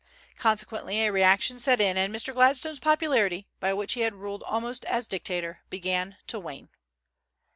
Consequently a reaction set in, and Mr. Gladstone's popularity, by which he had ruled almost as dictator, began to wane.